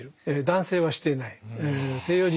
男性はしていない。